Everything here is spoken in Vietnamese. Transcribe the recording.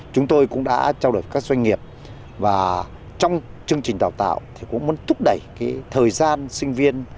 chúng tôi cũng đã trao đổi với các doanh nghiệp và trong chương trình tạo tạo cũng muốn thúc đẩy thời gian sinh viên